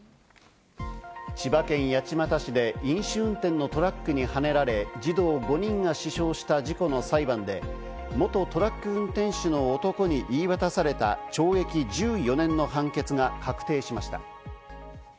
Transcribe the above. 千葉県八街市で飲酒運転のトラックにはねられ、児童５人が死傷した事故の裁判で元トラック運転手の男に言い渡された懲役１４年の判決が確定しました。